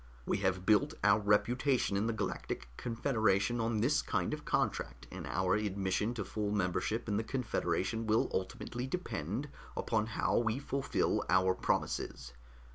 "We have built our reputation in the Galactic Confederation on this kind of contract, and our admission to full membership in the Confederation will ultimately depend upon how we fulfill our promises.